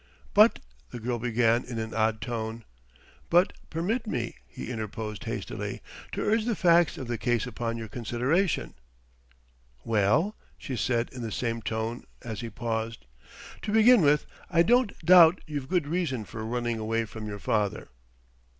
"But " the girl began in an odd tone. "But permit me," he interposed hastily, "to urge the facts of the case upon your consideration." "Well?" she said in the same tone, as he paused. "To begin with I don't doubt you've good reason for running away from your father."